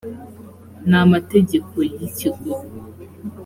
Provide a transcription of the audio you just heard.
n amategeko y ikigo